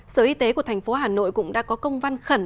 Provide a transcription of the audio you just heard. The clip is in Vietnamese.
sở y tế của thành phố hà nội cũng đã có công văn khẩn